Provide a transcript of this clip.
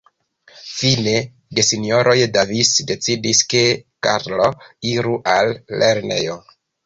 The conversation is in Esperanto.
Fine gesinjoroj Davis decidis, ke Karlo iru al lernejo.